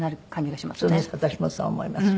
私もそう思います。